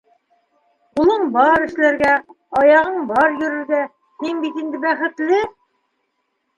Ҡулың бар эшләргә, аяғын бар йөрөргә, һин бит инде бәхетле!!!